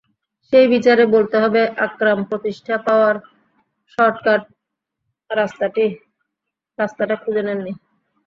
সেই বিচারে বলতে হবে, আকরাম প্রতিষ্ঠা পাওয়ার শর্টকাট রাস্তাটা খুঁজে নেননি।